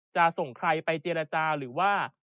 จะส่งใครไปเจรจาหรือว่า